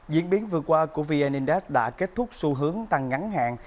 diễn biến vừa qua của vn index đã kết thúc xu hướng tăng ngắn hạn